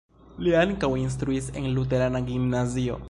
Li ankaŭ instruis en luterana gimnazio.